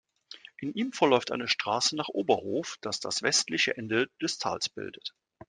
In ihm verläuft eine Straße nach Oberhof, das das westliche Ende des Tals bildet.